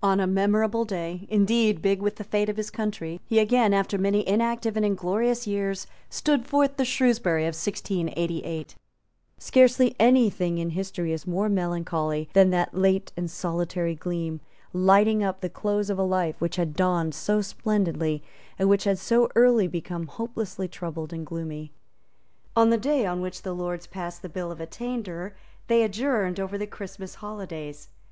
On a memorable day, indeed, big with the fate of his country, he again, after many inactive and inglorious years, stood forth the Shrewsbury of 1688. Scarcely any thing in history is more melancholy than that late and solitary gleam, lighting up the close of a life which had dawned so splendidly, and which had so early become hopelessly troubled and gloomy. On the day on which the Lords passed the Bill of Attainder, they adjourned over the Christmas holidays.